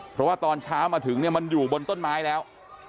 เพราะว่าตอนเช้ามาถึงเนี่ยมันอยู่บนต้นไม้แล้ว